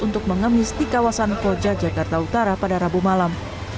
untuk mengemis di kawasan koja jakarta utara pada rabu malam